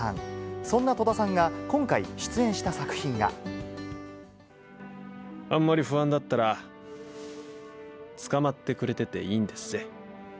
そんな戸田さんが今回、出演したあんまり不安だったら、つかまってくれてていいんでっせ。